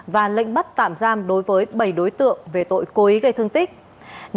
và lệnh bắt tạm giam đối với bảy đối tượng về tội cố ý gây thương tích